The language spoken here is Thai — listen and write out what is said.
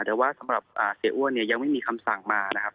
แต่ว่าสำหรับเสียอ้วนเนี่ยยังไม่มีคำสั่งมานะครับ